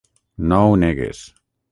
No ho negues.